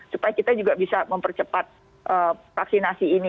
supaya kita juga bisa mempercepat vaksinasi ini